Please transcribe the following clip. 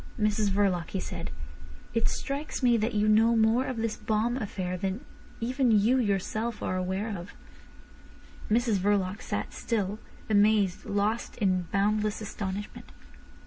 "Mrs Verloc," he said, "it strikes me that you know more of this bomb affair than even you yourself are aware of." Mrs Verloc sat still, amazed, lost in boundless astonishment.